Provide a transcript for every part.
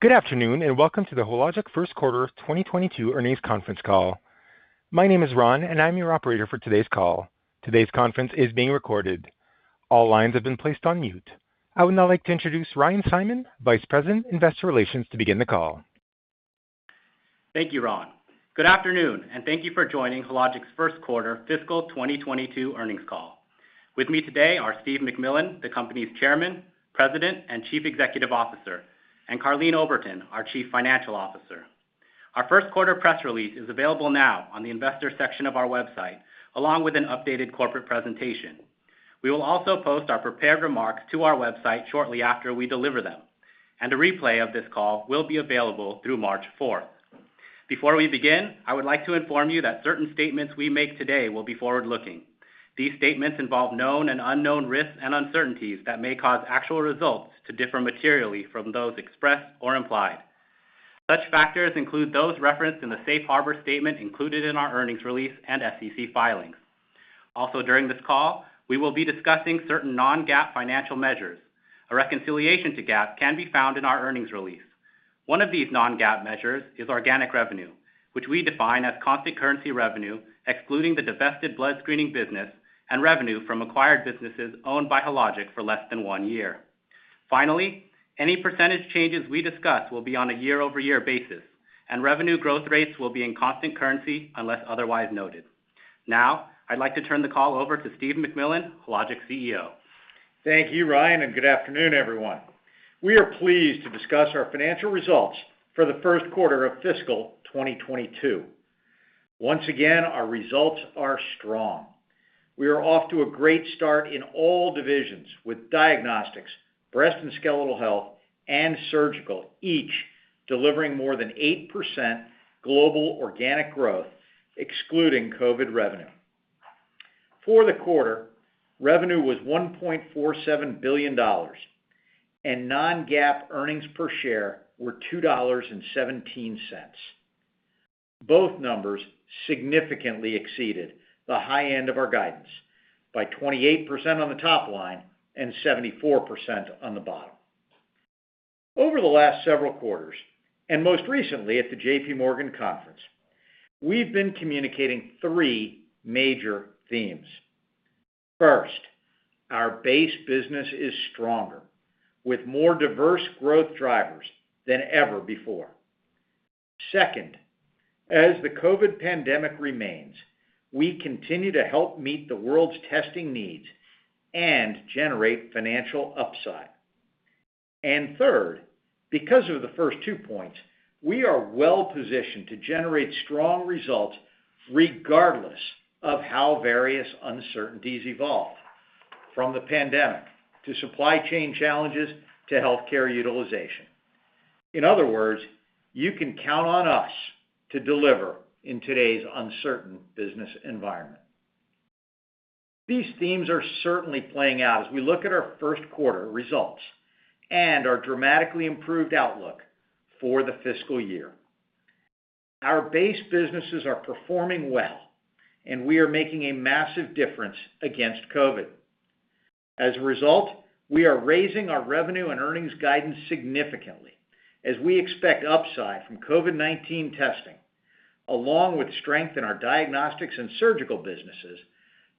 Good afternoon, and welcome to the Hologic first quarter 2022 earnings conference call. My name is Ron, and I'm your operator for today's call. Today's conference is being recorded. All lines have been placed on mute. I would now like to introduce Ryan Simon, Vice President, Investor Relations, to begin the call. Thank you, Ron. Good afternoon, and thank you for joining Hologic's first quarter fiscal 2022 earnings call. With me today are Stephen P. MacMillan, the company's Chairman, President, and Chief Executive Officer, and Karleen Oberton, our Chief Financial Officer. Our first quarter press release is available now on the investor section of our website, along with an updated corporate presentation. We will also post our prepared remarks to our website shortly after we deliver them, and a replay of this call will be available through March 4th. Before we begin, I would like to inform you that certain statements we make today will be forward-looking. These statements involve known and unknown risks and uncertainties that may cause actual results to differ materially from those expressed or implied. Such factors include those referenced in the safe harbor statement included in our earnings release and SEC filings. Also, during this call, we will be discussing certain Non-GAAP financial measures. A reconciliation to GAAP can be found in our earnings release. One of these Non-GAAP measures is organic revenue, which we define as constant currency revenue, excluding the divested blood screening business and revenue from acquired businesses owned by Hologic for less than one year. Finally, any percentage changes we discuss will be on a year-over-year basis, and revenue growth rates will be in constant currency unless otherwise noted. Now, I'd like to turn the call over to Steve MacMillan, Hologic's CEO. Thank you, Ryan, and good afternoon, everyone. We are pleased to discuss our financial results for the first quarter of fiscal 2022. Once again, our results are strong. We are off to a great start in all divisions, with diagnostics, breast and skeletal health, and surgical each delivering more than 8% global organic growth excluding COVID revenue. For the quarter, revenue was $1.47 billion, and Non-GAAP earnings per share were $2.17. Both numbers significantly exceeded the high end of our guidance by 28% on the top line and 74% on the bottom. Over the last several quarters, and most recently at the JPMorgan conference, we've been communicating three major themes. First, our base business is stronger with more diverse growth drivers than ever before. Second, as the COVID pandemic remains, we continue to help meet the world's testing needs and generate financial upside. Third, because of the first two points, we are well-positioned to generate strong results regardless of how various uncertainties evolve, from the pandemic, to supply chain challenges, to healthcare utilization. In other words, you can count on us to deliver in today's uncertain business environment. These themes are certainly playing out as we look at our first quarter results and our dramatically improved outlook for the fiscal year. Our base businesses are performing well, and we are making a massive difference against COVID. As a result, we are raising our revenue and earnings guidance significantly as we expect upside from COVID-19 testing, along with strength in our diagnostics and surgical businesses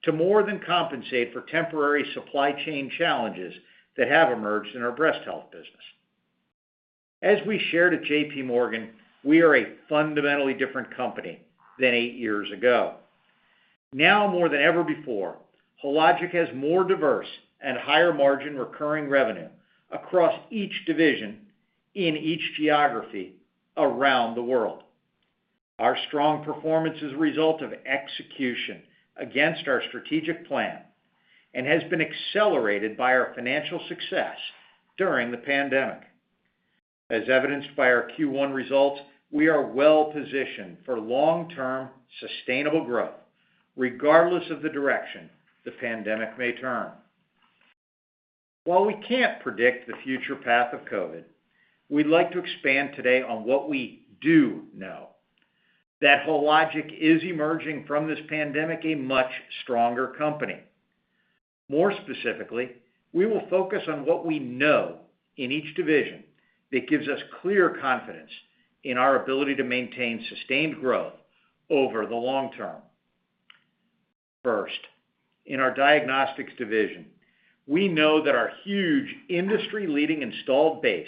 to more than compensate for temporary supply chain challenges that have emerged in our breast health business. As we shared at JPMorgan, we are a fundamentally different company than eight years ago. Now more than ever before, Hologic has more diverse and higher margin recurring revenue across each division in each geography around the world. Our strong performance is a result of execution against our strategic plan and has been accelerated by our financial success during the pandemic. As evidenced by our Q1 results, we are well positioned for long-term sustainable growth regardless of the direction the pandemic may turn. While we can't predict the future path of COVID, we'd like to expand today on what we do know: that Hologic is emerging from this pandemic a much stronger company. More specifically, we will focus on what we know in each division that gives us clear confidence in our ability to maintain sustained growth over the long term. First, in our diagnostics division, we know that our huge industry-leading installed base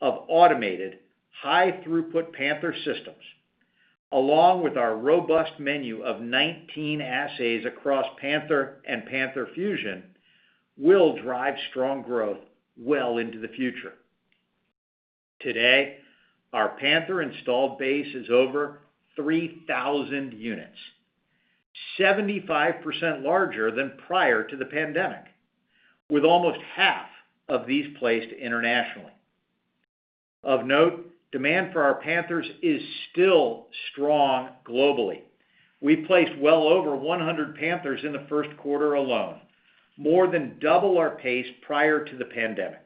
of automated high throughput Panther systems, along with our robust menu of 19 assays across Panther and Panther Fusion, will drive strong growth well into the future. Today, our Panther installed base is over 3,000 units, 75% larger than prior to the pandemic, with almost half of these placed internationally. Of note, demand for our Panthers is still strong globally. We placed well over 100 Panthers in the first quarter alone, more than double our pace prior to the pandemic.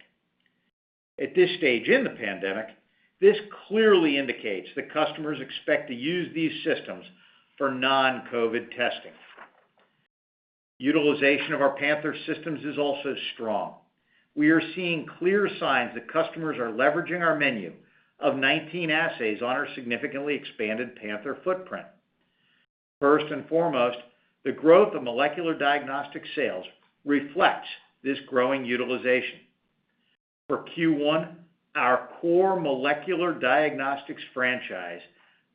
At this stage in the pandemic, this clearly indicates that customers expect to use these systems for non-COVID testing. Utilization of our Panther systems is also strong. We are seeing clear signs that customers are leveraging our menu of 19 assays on our significantly expanded Panther footprint. First and foremost, the growth of molecular diagnostic sales reflects this growing utilization. For Q1, our core molecular diagnostics franchise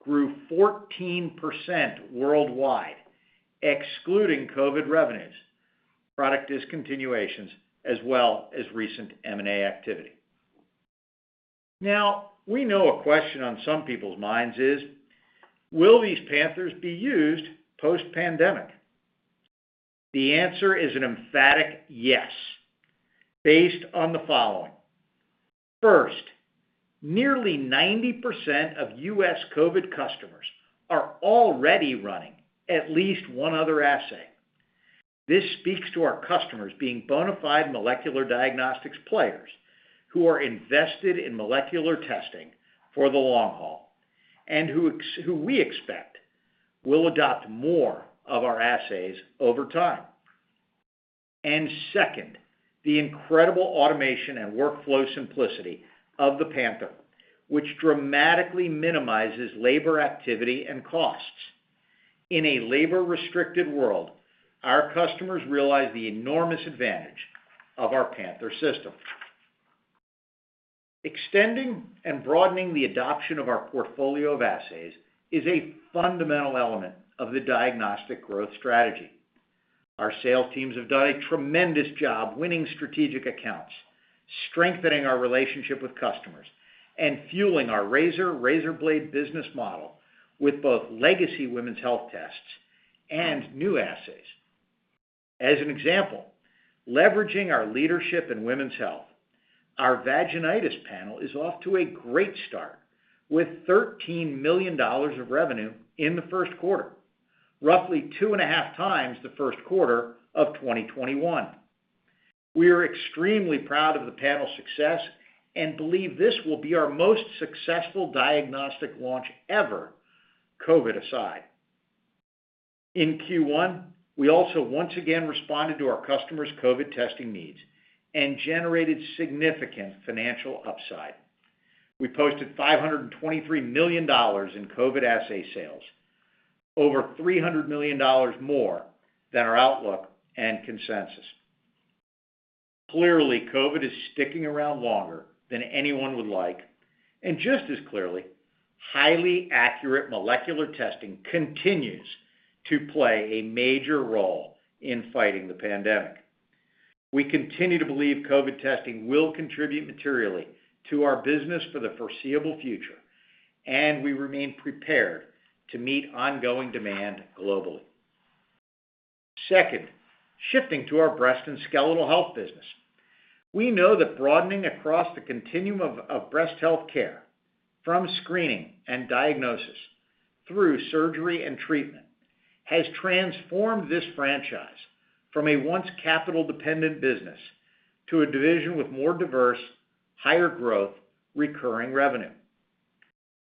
grew 14% worldwide, excluding COVID revenues, product discontinuations, as well as recent M&A activity. Now, we know a question on some people's minds is. Will these Panthers be used post-pandemic? The answer is an emphatic yes, based on the following. First, nearly 90% of U.S. COVID customers are already running at least one other assay. This speaks to our customers being bona fide molecular diagnostics players who are invested in molecular testing for the long haul and who we expect will adopt more of our assays over time. Second, the incredible automation and workflow simplicity of the Panther, which dramatically minimizes labor activity and costs. In a labor-restricted world, our customers realize the enormous advantage of our Panther system. Extending and broadening the adoption of our portfolio of assays is a fundamental element of the diagnostic growth strategy. Our sales teams have done a tremendous job winning strategic accounts, strengthening our relationship with customers, and fueling our razor blade business model with both legacy women's health tests and new assays. As an example, leveraging our leadership in women's health, our vaginitis panel is off to a great start with $13 million of revenue in the first quarter, roughly 2.5 times the first quarter of 2021. We are extremely proud of the panel's success and believe this will be our most successful diagnostic launch ever, COVID aside. In Q1, we also once again responded to our customers' COVID testing needs and generated significant financial upside. We posted $523 million in COVID assay sales, over $300 million more than our outlook and consensus. Clearly, COVID is sticking around longer than anyone would like, and just as clearly, highly accurate molecular testing continues to play a major role in fighting the pandemic. We continue to believe COVID testing will contribute materially to our business for the foreseeable future, and we remain prepared to meet ongoing demand globally. Second, shifting to our breast and skeletal health business. We know that broadening across the continuum of breast health care from screening and diagnosis through surgery and treatment has transformed this franchise from a once capital-dependent business to a division with more diverse, higher growth, recurring revenue.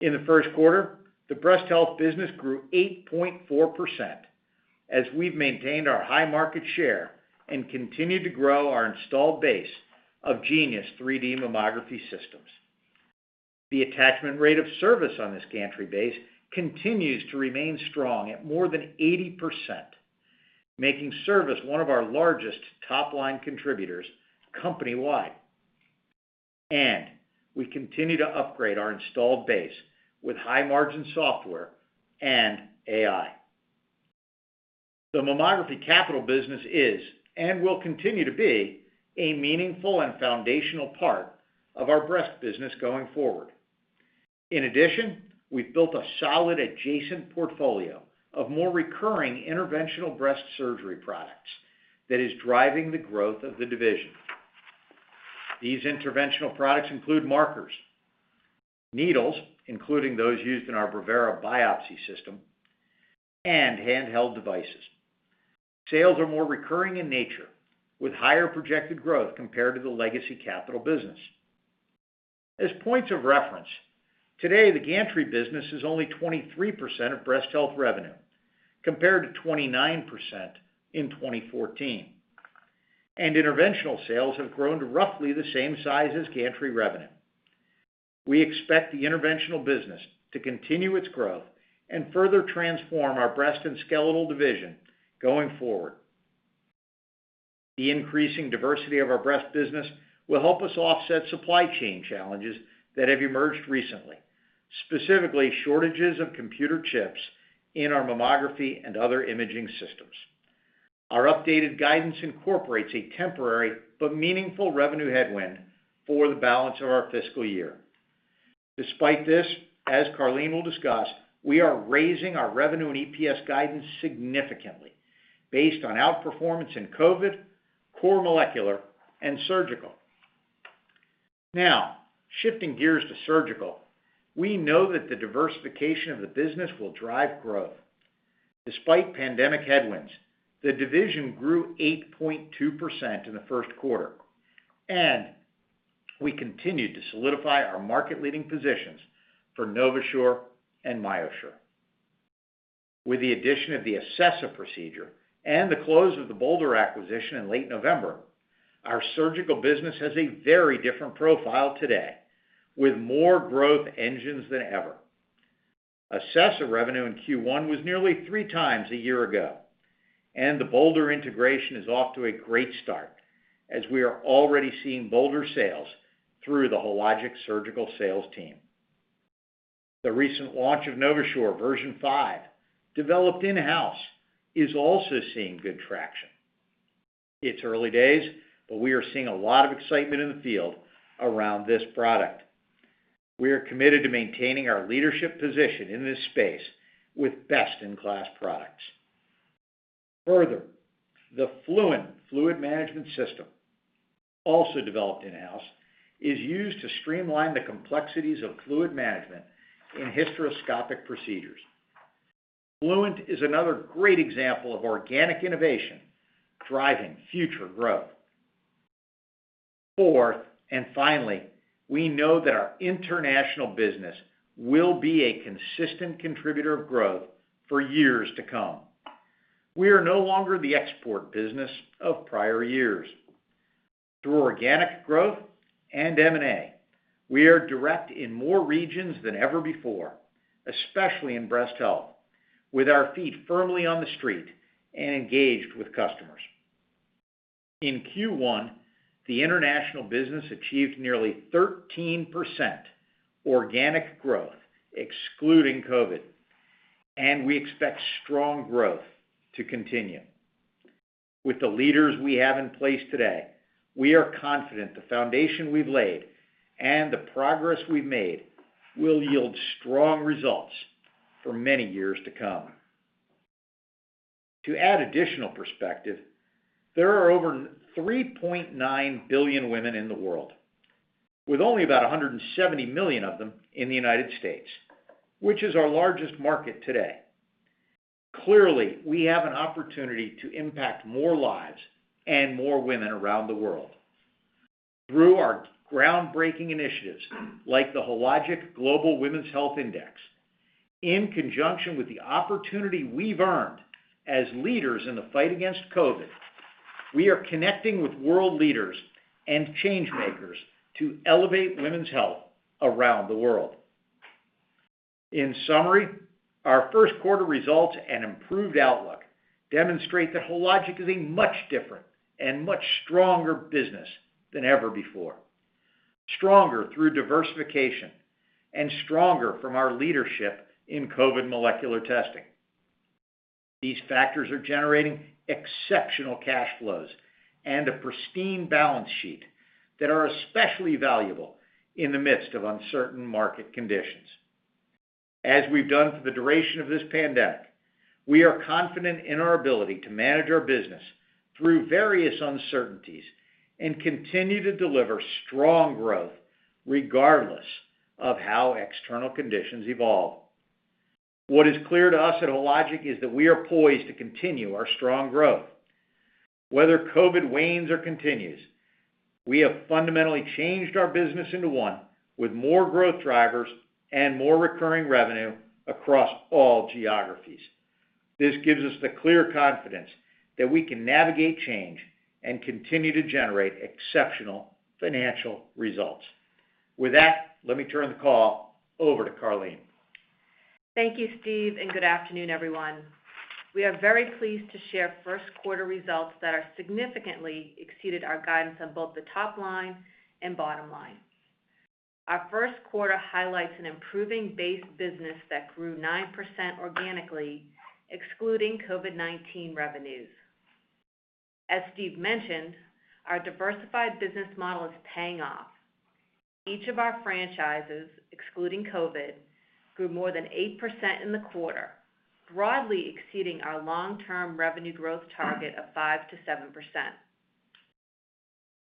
In the first quarter, the breast health business grew 8.4% as we've maintained our high market share and continued to grow our installed base of Genius 3D Mammography systems. The attachment rate of service on this gantry base continues to remain strong at more than 80%, making service one of our largest top-line contributors company-wide. We continue to upgrade our installed base with high-margin software and AI. The mammography capital business is, and will continue to be, a meaningful and foundational part of our breast business going forward. In addition, we've built a solid adjacent portfolio of more recurring interventional breast surgery products that is driving the growth of the division. These interventional products include markers, needles, including those used in our Brevera biopsy system, and handheld devices. Sales are more recurring in nature with higher projected growth compared to the legacy capital business. As points of reference, today, the gantry business is only 23% of breast health revenue compared to 29% in 2014. Interventional sales have grown to roughly the same size as gantry revenue. We expect the interventional business to continue its growth and further transform our breast and skeletal division going forward. The increasing diversity of our breast business will help us offset supply chain challenges that have emerged recently, specifically shortages of computer chips in our mammography and other imaging systems. Our updated guidance incorporates a temporary but meaningful revenue headwind for the balance of our fiscal year. Despite this, as Karleen will discuss, we are raising our revenue and EPS guidance significantly based on outperformance in COVID, core molecular, and surgical. Now, shifting gears to surgical, we know that the diversification of the business will drive growth. Despite pandemic headwinds, the division grew 8.2% in the first quarter. We continue to solidify our market leading positions for NovaSure and MyoSure. With the addition of the Acessa procedure and the close of the Bolder acquisition in late November, our surgical business has a very different profile today, with more growth engines than ever. Acessa revenue in Q1 was nearly three times a year ago, and the Bolder integration is off to a great start as we are already seeing Bolder sales through the Hologic surgical sales team. The recent launch of NovaSure version five, developed in-house, is also seeing good traction. It's early days, but we are seeing a lot of excitement in the field around this product. We are committed to maintaining our leadership position in this space with best-in-class products. Further, the Fluent Fluid Management System, also developed in-house, is used to streamline the complexities of fluid management in hysteroscopic procedures. Fluent is another great example of organic innovation driving future growth. Fourth, and finally, we know that our international business will be a consistent contributor of growth for years to come. We are no longer the export business of prior years. Through organic growth and M&A, we are direct in more regions than ever before, especially in breast health, with our feet firmly on the street and engaged with customers. In Q1, the international business achieved nearly 13% organic growth excluding COVID, and we expect strong growth to continue. With the leaders we have in place today, we are confident the foundation we've laid and the progress we've made will yield strong results for many years to come. To add additional perspective, there are over 3.9 billion women in the world, with only about 170 million of them in the United States, which is our largest market today. Clearly, we have an opportunity to impact more lives and more women around the world. Through our groundbreaking initiatives like the Hologic Global Women's Health Index, in conjunction with the opportunity we've earned as leaders in the fight against COVID, we are connecting with world leaders and change-makers to elevate women's health around the world. In summary, our first quarter results and improved outlook demonstrate that Hologic is a much different and much stronger business than ever before, stronger through diversification and stronger from our leadership in COVID molecular testing. These factors are generating exceptional cash flows and a pristine balance sheet that are especially valuable in the midst of uncertain market conditions. As we've done for the duration of this pandemic, we are confident in our ability to manage our business through various uncertainties and continue to deliver strong growth regardless of how external conditions evolve. What is clear to us at Hologic is that we are poised to continue our strong growth. Whether COVID wanes or continues, we have fundamentally changed our business into one with more growth drivers and more recurring revenue across all geographies. This gives us the clear confidence that we can navigate change and continue to generate exceptional financial results. With that, let me turn the call over to Karleen. Thank you, Steve, and good afternoon, everyone. We are very pleased to share first quarter results that are significantly exceeded our guidance on both the top line and bottom line. Our first quarter highlights an improving base business that grew 9% organically, excluding COVID-19 revenues. As Steve mentioned, our diversified business model is paying off. Each of our franchises, excluding COVID, grew more than 8% in the quarter, broadly exceeding our long-term revenue growth target of 5%-7%.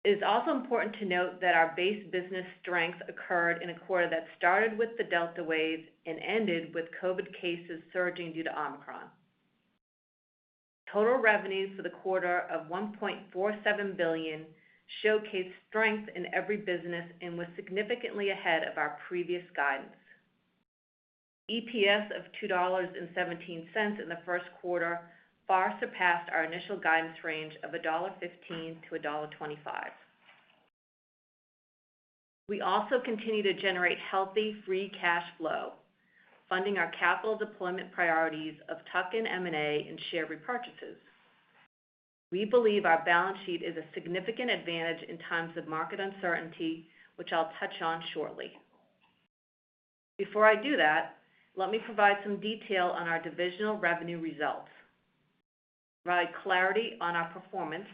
It is also important to note that our base business strength occurred in a quarter that started with the Delta wave and ended with COVID cases surging due to Omicron. Total revenues for the quarter of $1.47 billion showcased strength in every business and was significantly ahead of our previous guidance. EPS of $2.17 in the first quarter far surpassed our initial guidance range of $1.15-$1.25. We also continue to generate healthy free cash flow, funding our capital deployment priorities of tuck-in M&A and share repurchases. We believe our balance sheet is a significant advantage in times of market uncertainty, which I'll touch on shortly. Before I do that, let me provide some detail on our divisional revenue results. To provide clarity on our performance,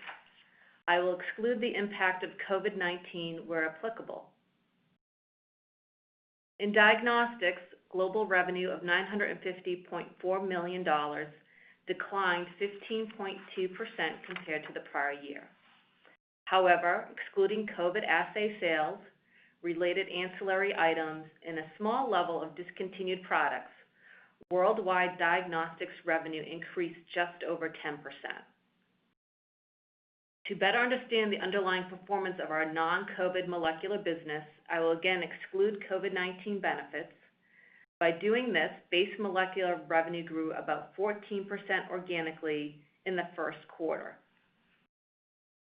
I will exclude the impact of COVID-19 where applicable. In diagnostics, global revenue of $950.4 million declined 15.2% compared to the prior year. However, excluding COVID assay sales, related ancillary items, and a small level of discontinued products, worldwide diagnostics revenue increased just over 10%. To better understand the underlying performance of our non-COVID molecular business, I will again exclude COVID-19 benefits. By doing this, base molecular revenue grew about 14% organically in the first quarter.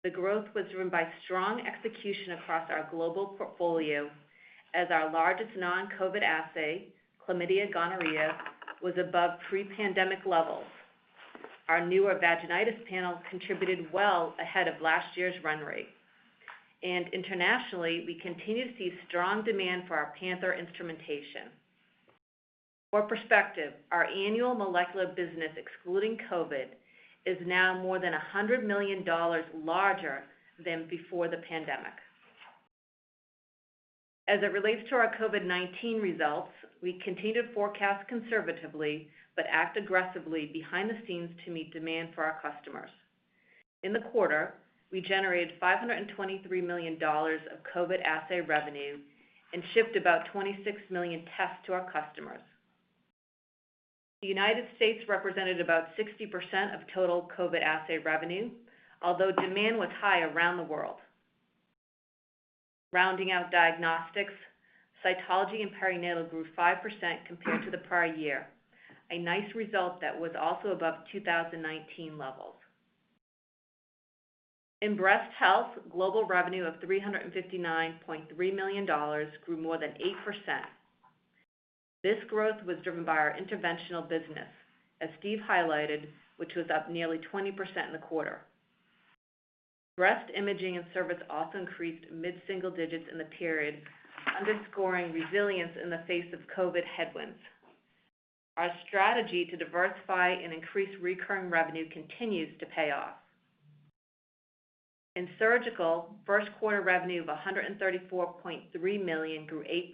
The growth was driven by strong execution across our global portfolio as our largest non-COVID assay, Chlamydia/Gonorrhea, was above pre-pandemic levels. Our newer vaginitis panel contributed well ahead of last year's run rate. Internationally, we continue to see strong demand for our Panther instrumentation. For perspective, our annual molecular business excluding COVID, is now more than $100 million larger than before the pandemic. As it relates to our COVID-19 results, we continue to forecast conservatively, but act aggressively behind the scenes to meet demand for our customers. In the quarter, we generated $523 million of COVID assay revenue and shipped about 26 million tests to our customers. The United States represented about 60% of total COVID assay revenue, although demand was high around the world. Rounding out diagnostics, cytology and perinatal grew 5% compared to the prior year, a nice result that was also above 2019 levels. In breast health, global revenue of $359.3 million grew more than 8%. This growth was driven by our interventional business, as Steve highlighted, which was up nearly 20% in the quarter. Breast imaging and service also increased mid-single digits in the period, underscoring resilience in the face of COVID headwinds. Our strategy to diversify and increase recurring revenue continues to pay off. In Surgical, first quarter revenue of $134.3 million grew 8%.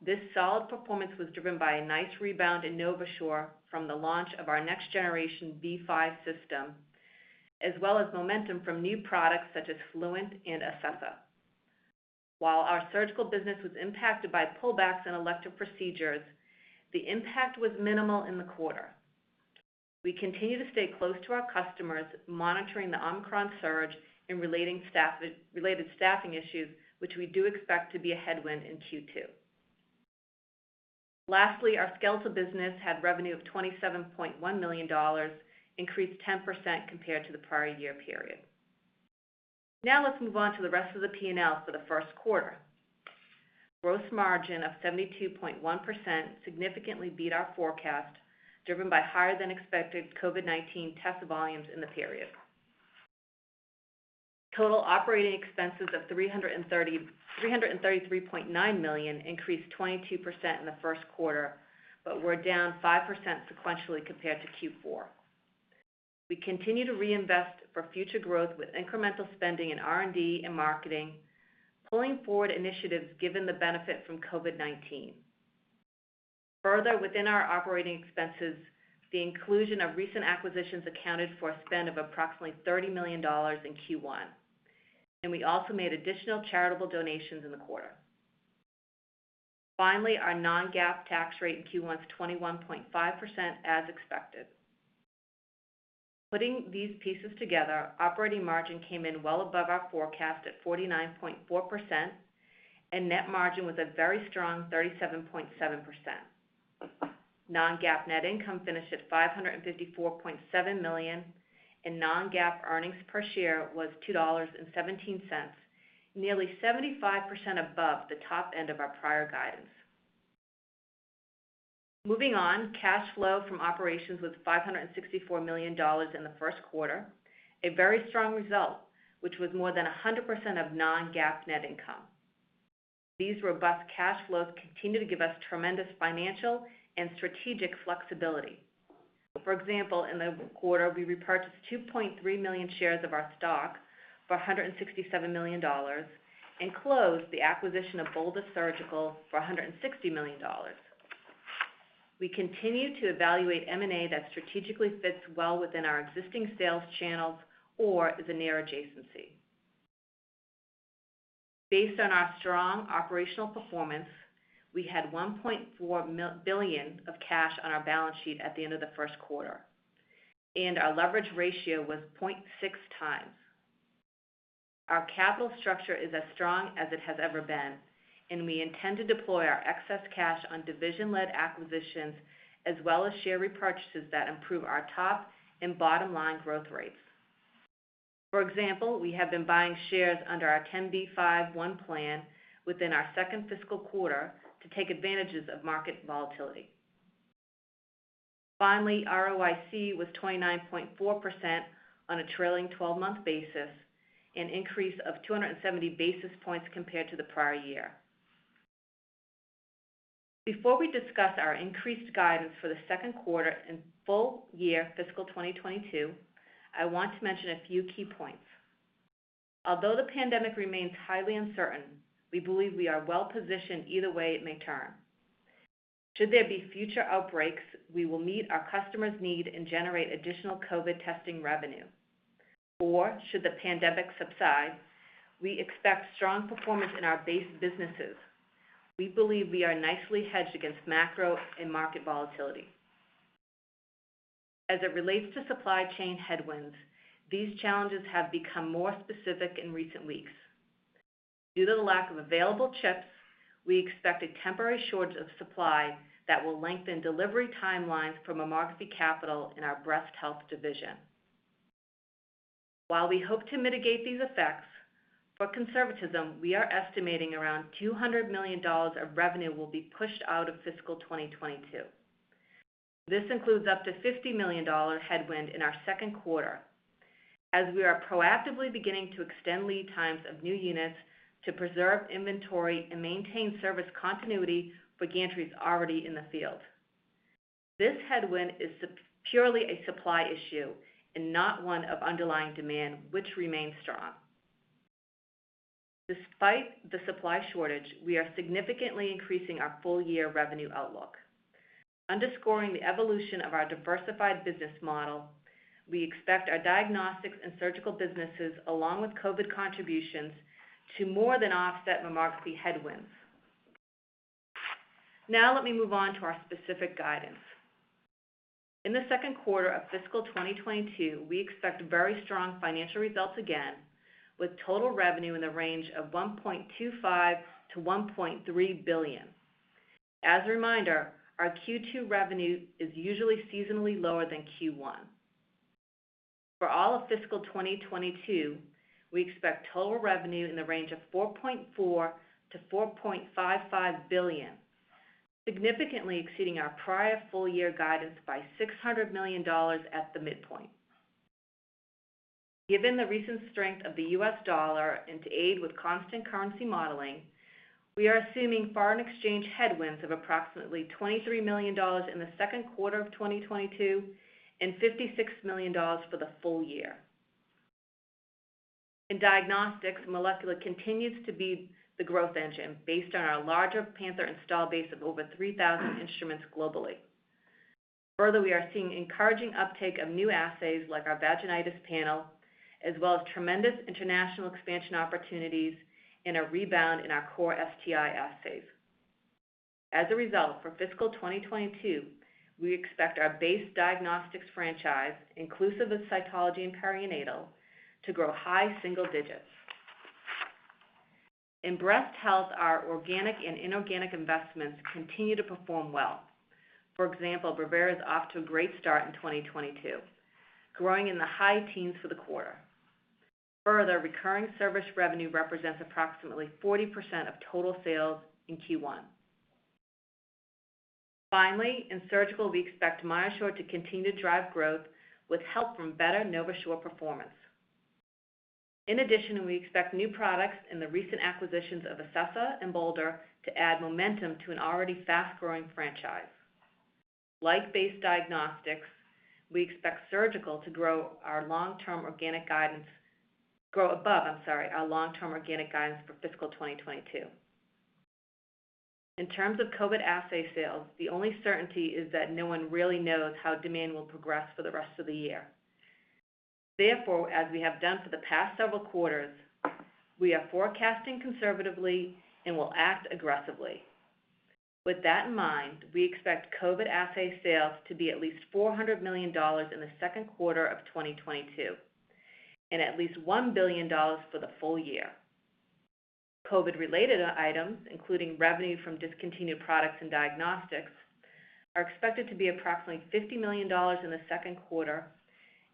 This solid performance was driven by a nice rebound in NovaSure from the launch of our next generation V5 system, as well as momentum from new products such as Fluent and Acessa. While our Surgical business was impacted by pullbacks in elective procedures, the impact was minimal in the quarter. We continue to stay close to our customers, monitoring the Omicron surge and staff-related staffing issues, which we do expect to be a headwind in Q2. Lastly, our Skeletal business had revenue of $27.1 million, increased 10% compared to the prior year period. Now let's move on to the rest of the P&L for the first quarter. Gross margin of 72.1% significantly beat our forecast, driven by higher than expected COVID-19 test volumes in the period. Total operating expenses of $333.9 million increased 22% in the first quarter, but were down 5% sequentially compared to Q4. We continue to reinvest for future growth with incremental spending in R&D and marketing, pulling forward initiatives given the benefit from COVID-19. Further, within our operating expenses, the inclusion of recent acquisitions accounted for a spend of approximately $30 million in Q1, and we also made additional charitable donations in the quarter. Finally, our Non-GAAP tax rate in Q1 is 21.5% as expected. Putting these pieces together, operating margin came in well above our forecast at 49.4%, and net margin was a very strong 37.7%. Non-GAAP net income finished at $554.7 million, and Non-GAAP earnings per share was $2.17, nearly 75% above the top end of our prior guidance. Moving on, cash flow from operations was $564 million in the first quarter, a very strong result which was more than 100% of Non-GAAP net income. These robust cash flows continue to give us tremendous financial and strategic flexibility. For example, in the quarter, we repurchased 2.3 million shares of our stock for $167 million and closed the acquisition of Bolder Surgical for $160 million. We continue to evaluate M&A that strategically fits well within our existing sales channels or is a near adjacency. Based on our strong operational performance, we had $1.4 billion of cash on our balance sheet at the end of the first quarter, and our leverage ratio was 0.6 times. Our capital structure is as strong as it has ever been, and we intend to deploy our excess cash on division-led acquisitions as well as share repurchases that improve our top and bottom line growth rates. For example, we have been buying shares under our 10b5-1 plan within our second fiscal quarter to take advantages of market volatility. Finally, ROIC was 29.4% on a trailing 12-month basis, an increase of 270 basis points compared to the prior year. Before we discuss our increased guidance for the second quarter and full year fiscal 2022, I want to mention a few key points. Although the pandemic remains highly uncertain, we believe we are well positioned either way it may turn. Should there be future outbreaks, we will meet our customers' need and generate additional COVID testing revenue. Or should the pandemic subside, we expect strong performance in our base businesses. We believe we are nicely hedged against macro and market volatility. As it relates to supply chain headwinds, these challenges have become more specific in recent weeks. Due to the lack of available chips, we expect a temporary shortage of supply that will lengthen delivery timelines for mammography capital in our Breast Health division. While we hope to mitigate these effects, for conservatism, we are estimating around $200 million of revenue will be pushed out of fiscal 2022. This includes up to $50 million headwind in our second quarter, as we are proactively beginning to extend lead times of new units to preserve inventory and maintain service continuity for gantries already in the field. This headwind is purely a supply issue and not one of underlying demand, which remains strong. Despite the supply shortage, we are significantly increasing our full-year revenue outlook. Underscoring the evolution of our diversified business model, we expect our diagnostics and surgical businesses, along with COVID contributions, to more than offset mammography headwinds. Now let me move on to our specific guidance. In the second quarter of fiscal 2022, we expect very strong financial results again, with total revenue in the range of $1.25 billion-$1.3 billion. As a reminder, our Q2 revenue is usually seasonally lower than Q1. For all of fiscal 2022, we expect total revenue in the range of $4.4 billion-$4.55 billion, significantly exceeding our prior full year guidance by $600 million at the midpoint. Given the recent strength of the U.S. dollar and to aid with constant currency modeling, we are assuming foreign exchange headwinds of approximately $23 million in the second quarter of 2022 and $56 million for the full year. In diagnostics, molecular continues to be the growth engine based on our larger Panther install base of over 3,000 instruments globally. Further, we are seeing encouraging uptake of new assays like our vaginitis panel, as well as tremendous international expansion opportunities and a rebound in our core STI assays. As a result, for fiscal 2022, we expect our base diagnostics franchise, inclusive of cytology and perinatal, to grow high single digits. In breast health, our organic and inorganic investments continue to perform well. For example, Brevera is off to a great start in 2022, growing in the high teens for the quarter. Further, recurring service revenue represents approximately 40% of total sales in Q1. Finally, in surgical, we expect MyoSure to continue to drive growth with help from better NovaSure performance. In addition, we expect new products in the recent acquisitions of Acessa and Bolder to add momentum to an already fast-growing franchise. Like base diagnostics, we expect surgical to grow above, I'm sorry, our long-term organic guidance for fiscal 2022. In terms of COVID assay sales, the only certainty is that no one really knows how demand will progress for the rest of the year. Therefore, as we have done for the past several quarters, we are forecasting conservatively and will act aggressively. With that in mind, we expect COVID assay sales to be at least $400 million in the second quarter of 2022 and at least $1 billion for the full year. COVID-related items, including revenue from discontinued products and diagnostics, are expected to be approximately $50 million in the second quarter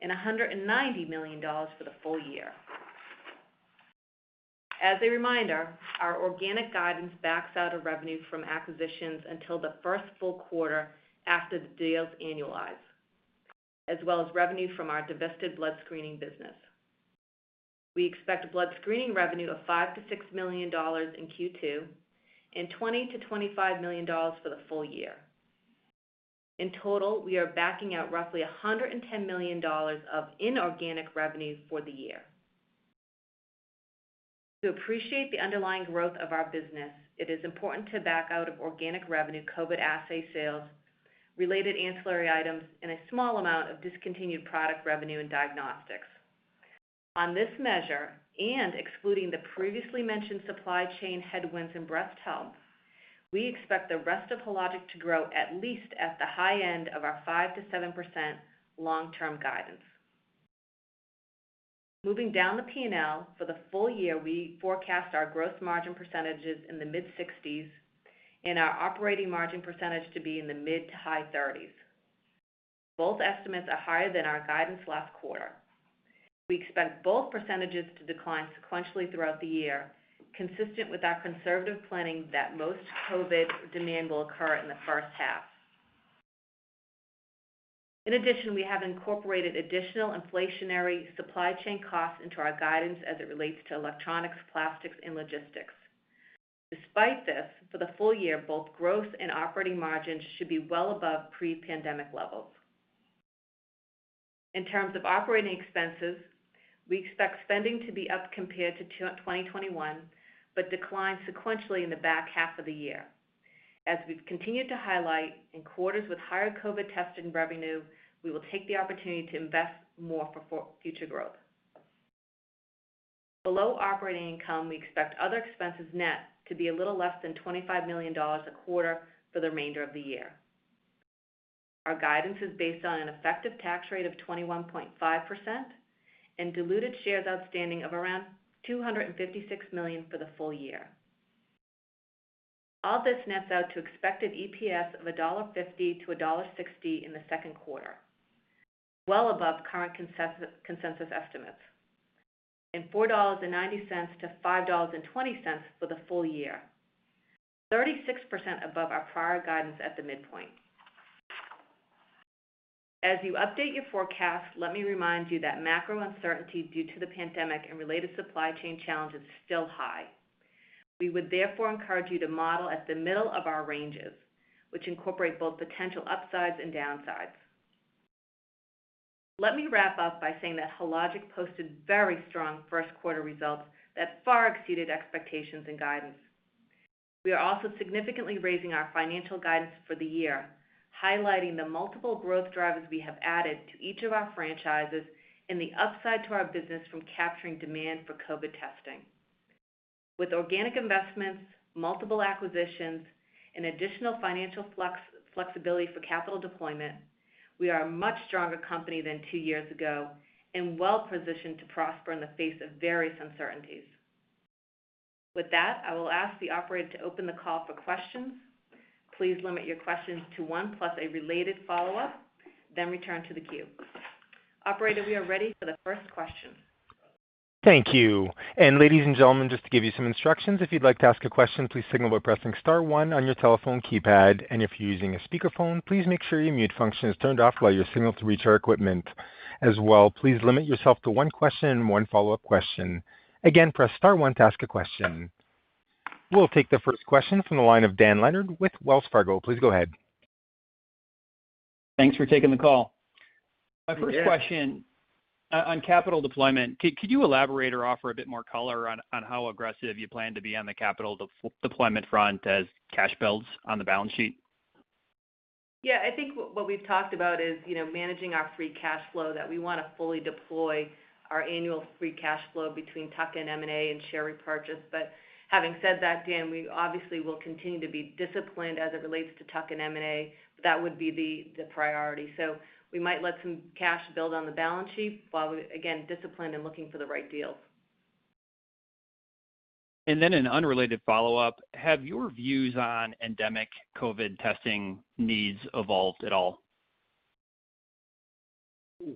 and $190 million for the full year. As a reminder, our organic guidance backs out revenue from acquisitions until the first full quarter after the deals annualize, as well as revenue from our divested blood screening business. We expect blood screening revenue of $5 million-$6 million in Q2 and $20 million-$25 million for the full year. In total, we are backing out roughly $110 million of inorganic revenue for the year. To appreciate the underlying growth of our business, it is important to back out of organic revenue COVID assay sales, related ancillary items, and a small amount of discontinued product revenue in diagnostics. On this measure, and excluding the previously mentioned supply chain headwinds in breast health, we expect the rest of Hologic to grow at least at the high end of our 5%-7% long-term guidance. Moving down the P&L, for the full year, we forecast our gross margin percentages in the mid-60s and our operating margin percentage to be in the mid- to high 30s. Both estimates are higher than our guidance last quarter. We expect both percentages to decline sequentially throughout the year, consistent with our conservative planning that most COVID demand will occur in the first half. In addition, we have incorporated additional inflationary supply chain costs into our guidance as it relates to electronics, plastics, and logistics. Despite this, for the full year, both growth and operating margins should be well above pre-pandemic levels. In terms of operating expenses, we expect spending to be up compared to 2021, but decline sequentially in the back half of the year. As we've continued to highlight, in quarters with higher COVID testing revenue, we will take the opportunity to invest more for future growth. Below operating income, we expect other expenses net to be a little less than $25 million a quarter for the remainder of the year. Our guidance is based on an effective tax rate of 21.5% and diluted shares outstanding of around 256 million for the full year. All this nets out to expected EPS of $1.50-$1.60 in the second quarter, well above current consensus estimates, and $4.90-$5.20 for the full year, 36% above our prior guidance at the midpoint. As you update your forecast, let me remind you that macro uncertainty due to the pandemic and related supply chain challenge is still high. We would therefore encourage you to model at the middle of our ranges, which incorporate both potential upsides and downsides. Let me wrap up by saying that Hologic posted very strong first quarter results that far exceeded expectations and guidance. We are also significantly raising our financial guidance for the year, highlighting the multiple growth drivers we have added to each of our franchises and the upside to our business from capturing demand for COVID testing. With organic investments, multiple acquisitions, and additional financial flexibility for capital deployment, we are a much stronger company than two years ago and well-positioned to prosper in the face of various uncertainties. With that, I will ask the operator to open the call for questions. Please limit your questions to one plus a related follow-up, then return to the queue. Operator, we are ready for the first question. Thank you. Ladies and gentlemen, just to give you some instructions, if you'd like to ask a question, please signal by pressing star one on your telephone keypad. If you're using a speakerphone, please make sure your mute function is turned off while you're speaking so we can hear you. As well, please limit yourself to one question and one follow-up question. Again, press star one to ask a question. We'll take the first question from the line of Dan Leonard with Wells Fargo. Please go ahead. Thanks for taking the call. Yeah. My first question, on capital deployment. Could you elaborate or offer a bit more color on how aggressive you plan to be on the capital deployment front as cash builds on the balance sheet? Yeah. I think what we've talked about is, you know, managing our free cash flow, that we wanna fully deploy our annual free cash flow between tuck-in M&A and share repurchase. Having said that, Dan, we obviously will continue to be disciplined as it relates to tuck-in M&A. That would be the priority. We might let some cash build on the balance sheet while we, again, disciplined and looking for the right deals. An unrelated follow-up. Have your views on endemic COVID testing needs evolved at all?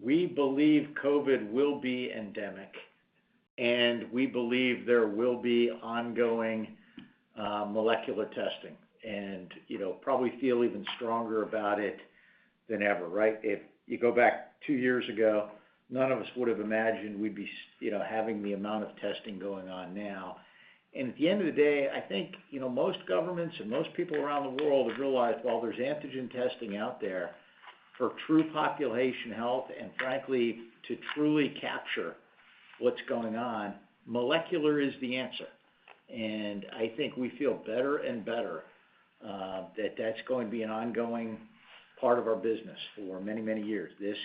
We believe COVID will be endemic, and we believe there will be ongoing molecular testing and, you know, probably feel even stronger about it than ever, right? If you go back two years ago, none of us would have imagined we'd be you know, having the amount of testing going on now. At the end of the day, I think, you know, most governments and most people around the world have realized while there's antigen testing out there for true population health and frankly, to truly capture what's going on, molecular is the answer. I think we feel better and better that that's going to be an ongoing part of our business for many, many years. This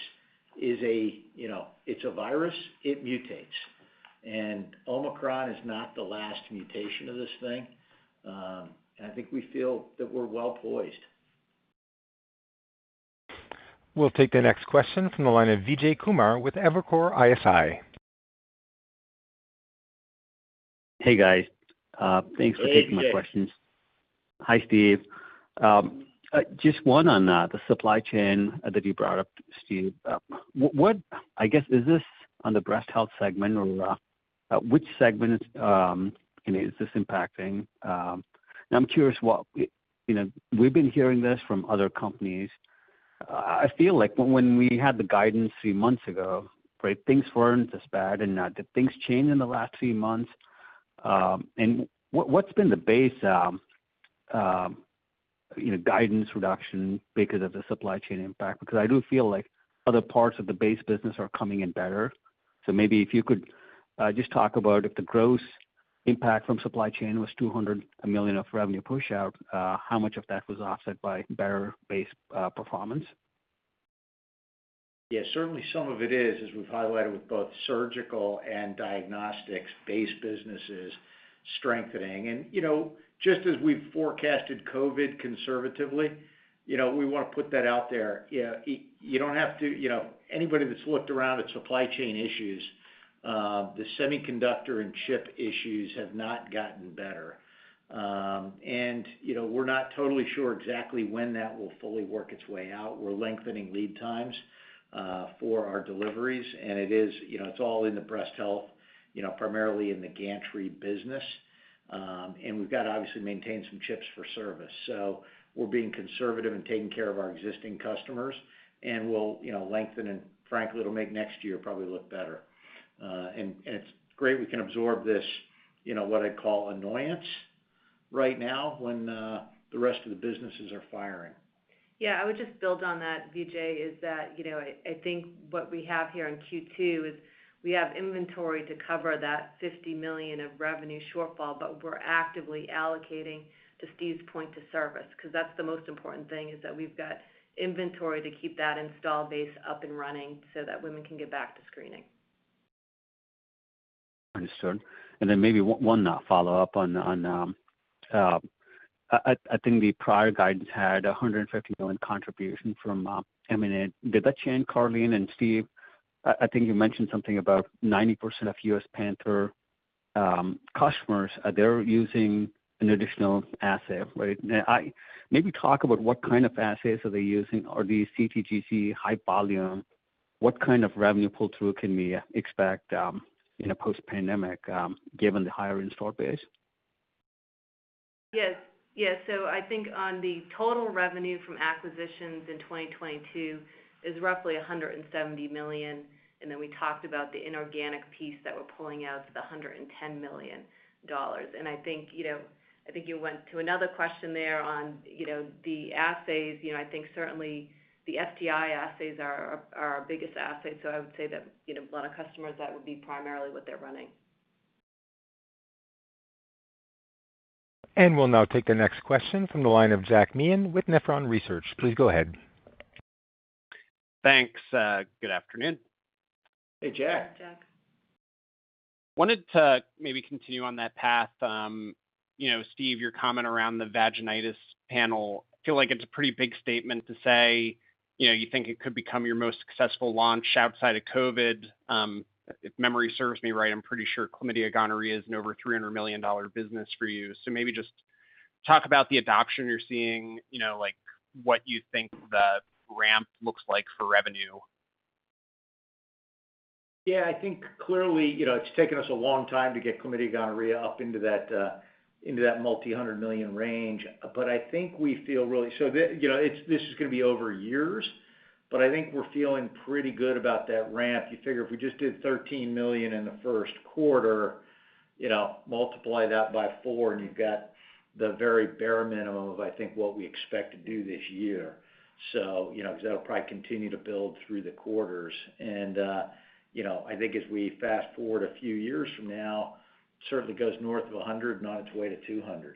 is a, you know, it's a virus, it mutates, and Omicron is not the last mutation of this thing. I think we feel that we're well poised. We'll take the next question from the line of Vijay Kumar with Evercore ISI. Hey, guys. Thanks for taking my questions. Hey, Vijay. Hi, Steve. Just one on the supply chain that you brought up, Steve. What I guess is this on the Breast Health segment or which segment is, you know, is this impacting? I'm curious what, you know, we've been hearing this from other companies. I feel like when we had the guidance three months ago, right, things weren't as bad and now that things changed in the last few months. What's been the base, you know, guidance reduction because of the supply chain impact, because I do feel like other parts of the base business are coming in better. Maybe if you could just talk about if the gross impact from supply chain was $200 million of revenue pushout, how much of that was offset by better base performance? Yeah. Certainly some of it is, as we've highlighted with both Surgical and Diagnostics base businesses strengthening. You know, just as we've forecasted COVID conservatively, you know, we wanna put that out there. You know, anybody that's looked around at supply chain issues, the semiconductor and chip issues have not gotten better. You know, we're not totally sure exactly when that will fully work its way out. We're lengthening lead times for our deliveries, and it is, you know, it's all in the Breast Health, you know, primarily in the gantry business. We've got to obviously maintain some chips for service. We're being conservative and taking care of our existing customers, and we'll, you know, lengthen and frankly, it'll make next year probably look better. It's great we can absorb this, you know, what I'd call annoyance right now when the rest of the businesses are firing. Yeah, I would just build on that, Vijay, is that, you know, I think what we have here in Q2 is we have inventory to cover that $50 million of revenue shortfall, but we're actively allocating, to Steve's point, to service. 'Cause that's the most important thing, is that we've got inventory to keep that installed base up and running so that women can get back to screening. Understood. Then maybe one follow-up on, I think the prior guidance had $150 million contribution from M&A. Did that change, Karleen? Steve, I think you mentioned something about 90% of U.S. Panther customers, they're using an additional assay, right? Maybe talk about what kind of assays are they using? Are these CT/GC high volume? What kind of revenue pull-through can we expect in a post-pandemic given the higher install base? Yes. I think on the total revenue from acquisitions in 2022 is roughly $170 million, and then we talked about the inorganic piece that we're pulling out to the $110 million. I think, you know, I think you went to another question there on, you know, the assays. You know, I think certainly the STI assays are our biggest assays. I would say that, you know, a lot of customers, that would be primarily what they're running. We'll now take the next question from the line of Jack Meehan with Nephron Research. Please go ahead. Thanks, good afternoon. Hey, Jack. Hey, Jack. wanted to maybe continue on that path. You know, Steve, your comment around the Vaginitis Panel, I feel like it's a pretty big statement to say, you know, you think it could become your most successful launch outside of COVID. If memory serves me right, I'm pretty sure Chlamydia/Gonorrhea is an over $300 million business for you. Maybe just talk about the adoption you're seeing, you know, like what you think the ramp looks like for revenue. Yeah. I think clearly, you know, it's taken us a long time to get Chlamydia and gonorrhea up into that multi-hundred million range. But I think we feel really. You know, this is gonna be over years, but I think we're feeling pretty good about that ramp. You figure if we just did $13 million in the first quarter, you know, multiply that by four, and you've got the very bare minimum of, I think, what we expect to do this year. You know, 'cause that'll probably continue to build through the quarters. You know, I think as we fast-forward a few years from now, certainly goes north of $100 million and on its way to $200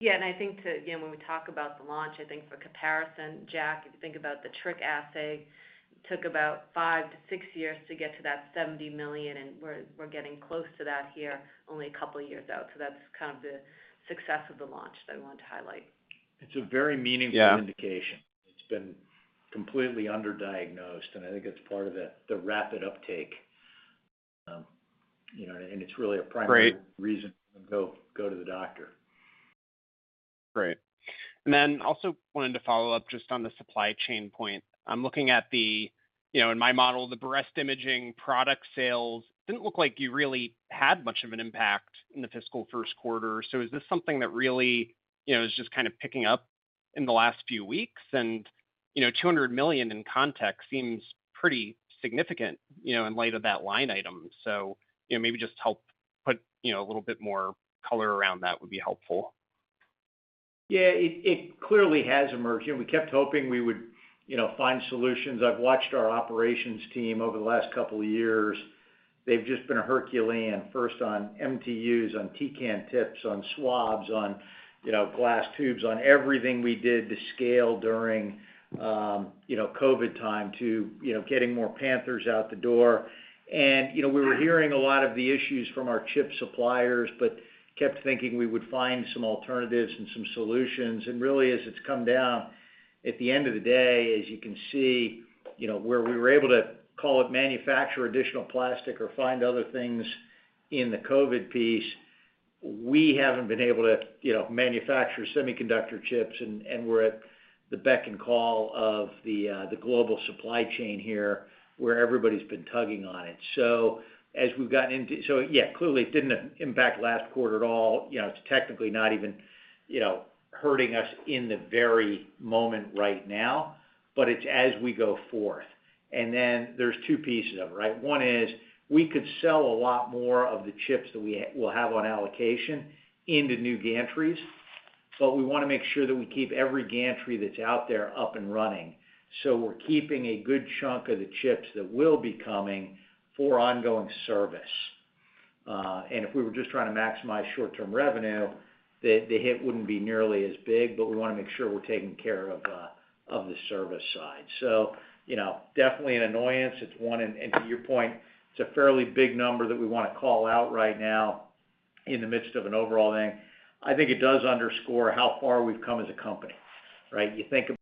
million. Yeah. I think, to, you know, when we talk about the launch, I think for comparison, Jack, if you think about the TRK assay, took about 5 years-6 years to get to that $70 million, and we're getting close to that here only a couple years out. So that's kind of the success of the launch that I wanted to highlight. It's a very meaningful. Yeah. indication. It's been completely underdiagnosed, and I think it's part of the rapid uptake. You know, and it's really a primary- Great reason to go to the doctor. Great. Also wanted to follow up just on the supply chain point. I'm looking at the, you know, in my model, the breast imaging product sales didn't look like you really had much of an impact in the fiscal first quarter. Is this something that really, you know, is just kind of picking up in the last few weeks? You know, $200 million in context seems pretty significant, you know, in light of that line item. You know, maybe just help put, you know, a little bit more color around that would be helpful. Yeah. It clearly has emerged here. We kept hoping we would, you know, find solutions. I've watched our operations team over the last couple of years. They've just been herculean, first on MTUs, on T-can tips, on swabs, on, you know, glass tubes, on everything we did to scale during, you know, COVID time to, you know, getting more Panthers out the door. You know, we were hearing a lot of the issues from our chip suppliers, but kept thinking we would find some alternatives and some solutions. Really, as it's come down, at the end of the day, as you can see, you know, where we were able to call it manufacture additional plastic or find other things in the COVID piece, we haven't been able to, you know, manufacture semiconductor chips, and we're at the beck and call of the global supply chain here, where everybody's been tugging on it. So as we've gotten into so yeah, clearly it didn't impact last quarter at all. You know, it's technically not even, you know, hurting us in the very moment right now, but it's as we go forth. Then there's two pieces of it, right? One is we could sell a lot more of the chips that we'll have on allocation into new gantries, but we wanna make sure that we keep every gantry that's out there up and running. We're keeping a good chunk of the chips that will be coming for ongoing service. And if we were just trying to maximize short-term revenue, the hit wouldn't be nearly as big, but we wanna make sure we're taking care of the service side. You know, definitely an annoyance. It's one, and to your point, it's a fairly big number that we wanna call out right now in the midst of an overall thing. I think it does underscore how far we've come as a company, right? You think about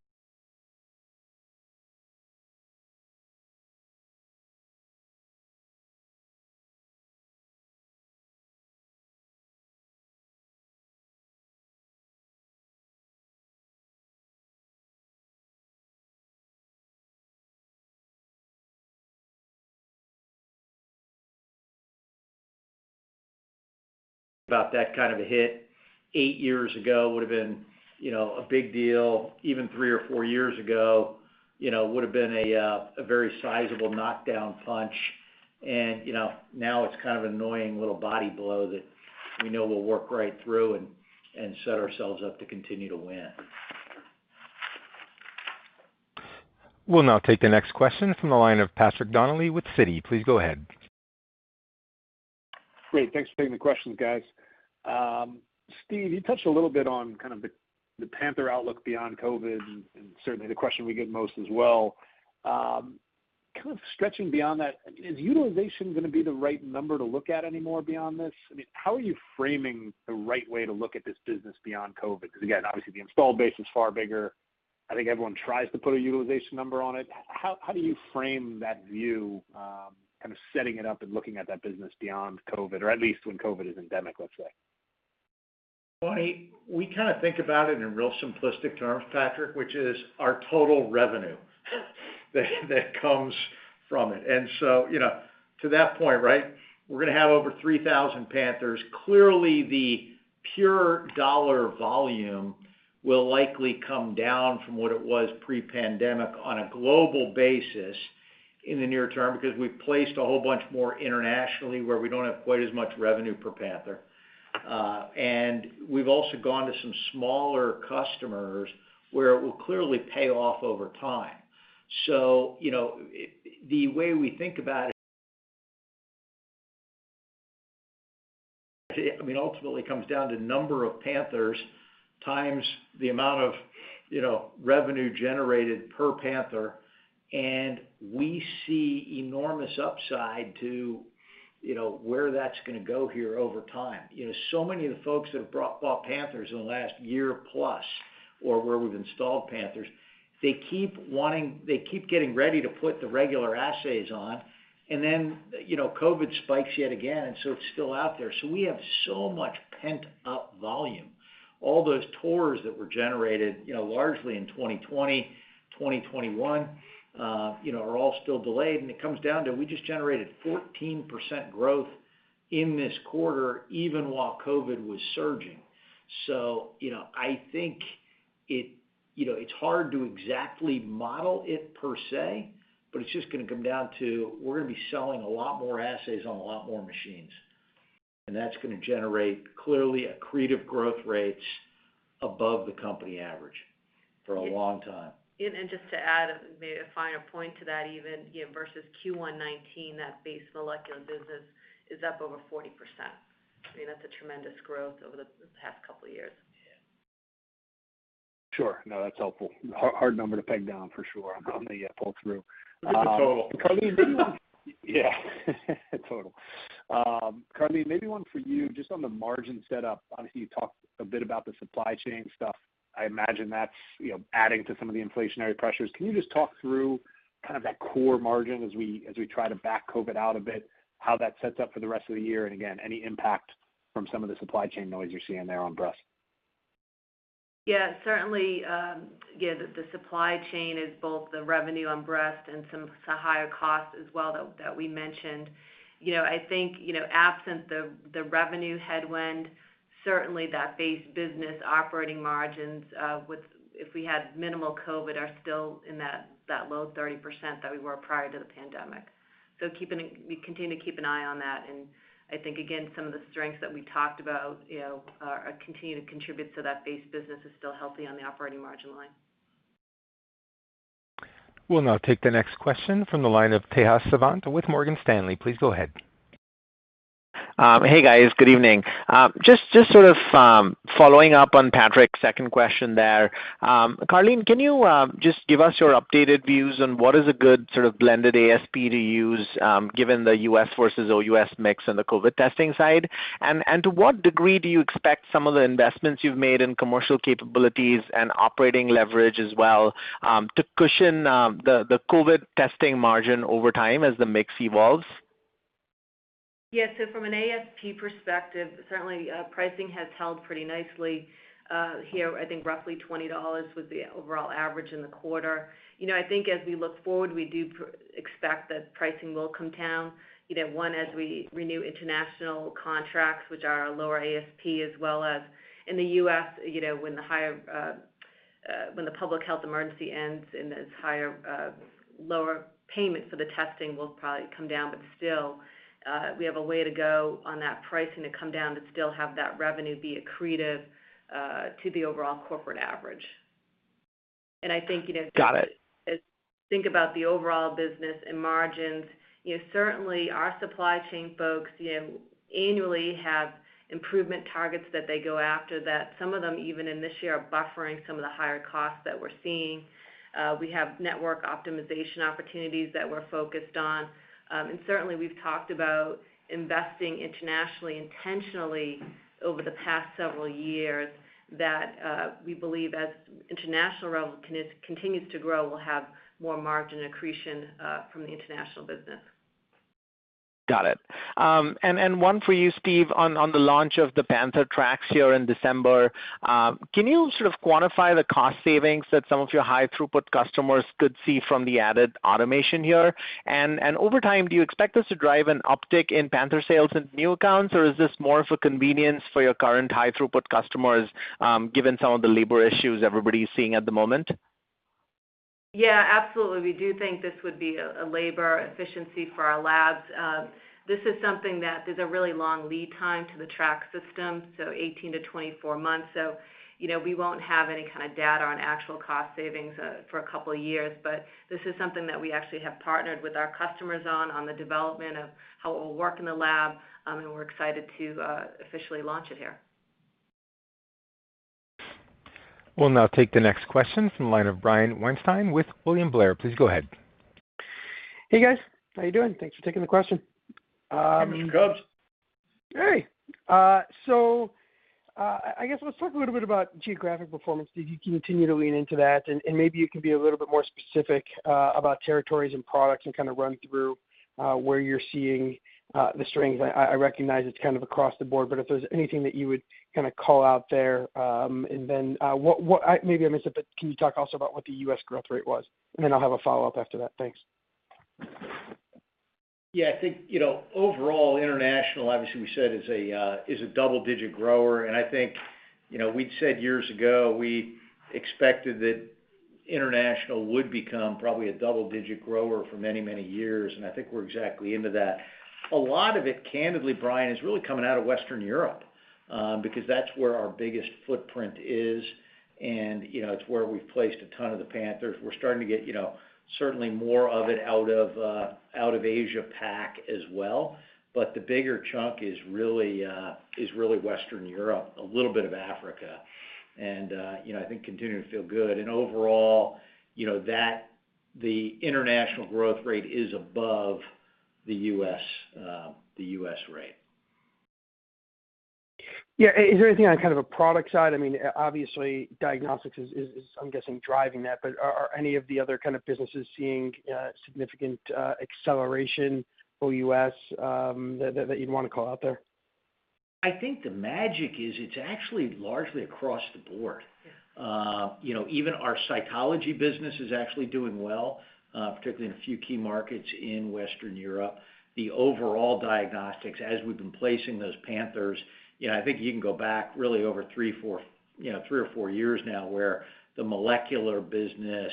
that kind of a hit eight years ago would've been, you know, a big deal. Even three or four years ago, you know, would've been a very sizable knockdown punch. You know, now it's kind of annoying little body blow that we know we'll work right through and set ourselves up to continue to win. We'll now take the next question from the line of Patrick Donnelly with Citi. Please go ahead. Great. Thanks for taking the questions, guys. Steve, you touched a little bit on kind of the Panther outlook beyond COVID, and certainly the question we get most as well. Kind of stretching beyond that, is utilization gonna be the right number to look at anymore beyond this? I mean, how are you framing the right way to look at this business beyond COVID? 'Cause again, obviously the installed base is far bigger. I think everyone tries to put a utilization number on it. How do you frame that view, kind of setting it up and looking at that business beyond COVID, or at least when COVID is endemic, let's say? We kinda think about it in real simplistic terms, Patrick, which is our total revenue that comes from it. You know, to that point, right, we're gonna have over 3,000 Panthers. Clearly, the pure dollar volume will likely come down from what it was pre-pandemic on a global basis in the near term, because we've placed a whole bunch more internationally where we don't have quite as much revenue per Panther. And we've also gone to some smaller customers where it will clearly pay off over time. You know, the way we think about it. I mean, ultimately it comes down to number of Panthers times the amount of, you know, revenue generated per Panther, and we see enormous upside to, you know, where that's gonna go here over time. You know, so many of the folks that have bought Panthers in the last year plus, or where we've installed Panthers, they keep getting ready to put the regular assays on, and then, you know, COVID spikes yet again, and so it's still out there. We have so much pent-up volume. All those tubes that were generated, you know, largely in 2020, 2021, you know, are all still delayed, and it comes down to we just generated 14% growth in this quarter, even while COVID was surging. You know, I think it, you know, it's hard to exactly model it per se, but it's just gonna come down to we're gonna be selling a lot more assays on a lot more machines. That's gonna generate clearly accretive growth rates above the company average for a long time. Just to add maybe a finer point to that even, you know, versus Q1 2019, that base molecular business is up over 40%. I mean, that's a tremendous growth over the past couple of years. Yeah. Sure. No, that's helpful. Hard number to peg down for sure on the pull-through. Total. Yeah. Total. Karleen, maybe one for you, just on the margin setup. Obviously, you talked a bit about the supply chain stuff. I imagine that's, you know, adding to some of the inflationary pressures. Can you just talk through kind of that core margin as we try to back COVID out a bit, how that sets up for the rest of the year? Again, any impact from some of the supply chain noise you're seeing there on breast? Certainly, the supply chain is both the revenue on breast and some higher costs as well that we mentioned. You know, I think absent the revenue headwind, certainly that base business operating margins, if we had minimal COVID, are still in that low 30% that we were prior to the pandemic. We continue to keep an eye on that. I think again, some of the strengths that we talked about, you know, are continuing to contribute to that. The base business is still healthy on the operating margin line. We'll now take the next question from the line of Tejas Savant with Morgan Stanley. Please go ahead. Hey, guys. Good evening. Just sort of following up on Patrick's second question there. Karleen, can you just give us your updated views on what is a good sort of blended ASP to use, given the U.S. versus OUS mix on the COVID testing side? To what degree do you expect some of the investments you've made in commercial capabilities and operating leverage as well, to cushion the COVID testing margin over time as the mix evolves? Yeah. From an ASP perspective, certainly, pricing has held pretty nicely. Here, I think roughly $20 was the overall average in the quarter. You know, I think as we look forward, we do expect that pricing will come down, you know, one, as we renew international contracts, which are a lower ASP, as well as in the U.S., you know, when the public health emergency ends and lower payments for the testing will probably come down. But still, we have a way to go on that pricing to come down to still have that revenue be accretive to the overall corporate average. I think, you know- Got it. ...as we think about the overall business and margins, you know, certainly our supply chain folks, you know, annually have improvement targets that they go after that some of them, even in this year, are buffering some of the higher costs that we're seeing. We have network optimization opportunities that we're focused on. Certainly we've talked about investing internationally, intentionally over the past several years that, we believe as international revenue continues to grow, we'll have more margin accretion, from the international business. Got it. One for you, Steve, on the launch of the Panther Trax here in December. Can you sort of quantify the cost savings that some of your high-throughput customers could see from the added automation here? Over time, do you expect this to drive an uptick in Panther sales in new accounts, or is this more of a convenience for your current high-throughput customers, given some of the labor issues everybody's seeing at the moment? Yeah, absolutely. We do think this would be a labor efficiency for our labs. This is something that there's a really long lead time to the Panther Trax, so 18 months-24 months. You know, we won't have any kind of data on actual cost savings for a couple of years. This is something that we actually have partnered with our customers on the development of how it will work in the lab, and we're excited to officially launch it here. We'll now take the next question from the line of Brian Weinstein with William Blair. Please go ahead. Hey, guys. How you doing? Thanks for taking the question. Hey, Mr. Cubs. Hey. I guess let's talk a little bit about geographic performance. Do you continue to lean into that? Maybe you can be a little bit more specific about territories and products and kind of run through where you're seeing the strength. I recognize it's kind of across the board, but if there's anything that you would kind of call out there. Then, maybe I missed it, but can you talk also about what the U.S. growth rate was? I'll have a follow-up after that. Thanks. Yeah. I think, you know, overall, international, obviously, we said is a double-digit grower. I think, you know, we'd said years ago, we expected that international would become probably a double-digit grower for many, many years, and I think we're exactly into that. A lot of it, candidly, Brian, is really coming out of Western Europe, because that's where our biggest footprint is, and, you know, it's where we've placed a ton of the Panthers. We're starting to get, you know, certainly more of it out of Asia Pac as well. But the bigger chunk is really Western Europe, a little bit of Africa. You know, I think we're continuing to feel good. And overall, you know, that the international growth rate is above the U.S., the U.S. rate. Yeah. Is there anything on kind of a product side? I mean, obviously diagnostics is, I'm guessing, driving that. But are any of the other kind of businesses seeing significant acceleration for U.S. that you'd want to call out there? I think the magic is it's actually largely across the board. You know, even our cytology business is actually doing well, particularly in a few key markets in Western Europe. The overall diagnostics, as we've been placing those Panthers, you know, I think you can go back really over three years or four years now, where the molecular business